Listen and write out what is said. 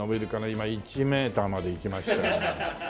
今１メーターまでいきました。